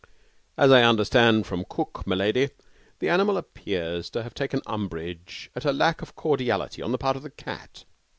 'As I understand from cook, m'lady, the animal appears to have taken umbrage at a lack of cordiality on the part of the cat.